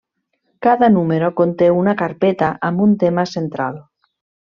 Cada número conté una carpeta amb un tema central.